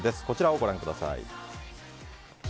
こちら、ご覧ください。